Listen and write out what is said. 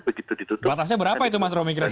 begitu ditutup batasnya berapa itu mas romikian